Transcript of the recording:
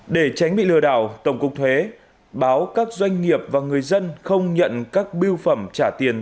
để tránh bị lừa đảo tổng cục thuế báo các doanh nghiệp và người dân không nhận các biêu phẩm trả tiền